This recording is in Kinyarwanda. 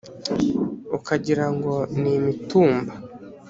Ukagirango n'imitumba